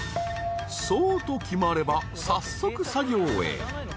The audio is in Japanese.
［そうと決まれば早速作業へ］